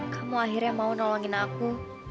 kamu akhirnya mau nolongin aku